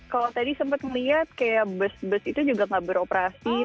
kalau tadi sempat ngeliat kayak bus bus itu juga nggak beroperasi